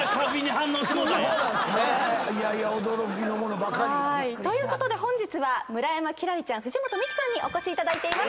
いやいや驚きのものばかり。ということで本日は村山輝星ちゃん藤本美貴さんにお越しいただいています。